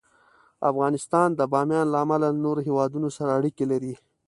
افغانستان د بامیان له امله له نورو هېوادونو سره اړیکې لري.